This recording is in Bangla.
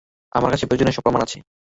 আমাদের কাছে প্রয়োজনীয় সব প্রমাণ আছে।